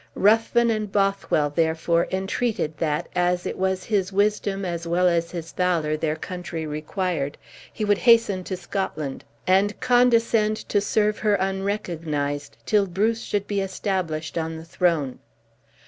Ruthven and Bothwell, therefore, entreated that, as it was his wisdom as well as his valor their country required, he would hasten to Scotland, and condescend to serve her unrecognized till Bruce should be established on the throne.